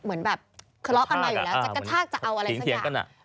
เหมือนแบบเคราะห์กันมาอยู่แล้วจะกระชากจะเอาอะไรสักอย่าง